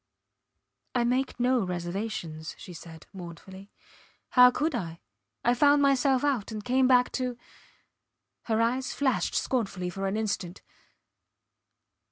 I make no reservations, she said, mournfully. How could I? I found myself out and came back to ... her eyes flashed scornfully for an instant